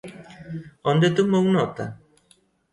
¿Onde tomou nota?